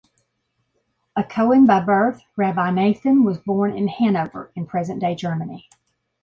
A kohen by birth, Rabbi Nathan was born in Hanover, in present-day Germany.